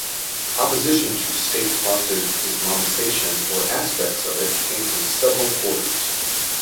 Opposition to state-sponsored Islamisation or aspects of it came from several quarters.